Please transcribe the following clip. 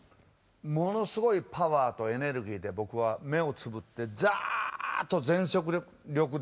ものすごいパワーとエネルギーで僕は目をつぶってザッと全速力で前へ僕は走りました。